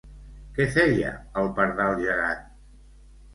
Què feia el pardal gegant?